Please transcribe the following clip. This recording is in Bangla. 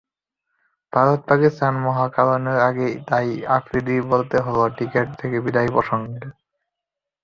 ভারত-পাকিস্তান মহারণের আগে তাই আফ্রিদিকে বলতে হলো ক্রিকেট থেকে বিদায় প্রসঙ্গে।